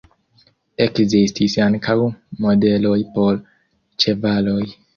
Ekzistis ankaŭ modeloj por ĉevaloj.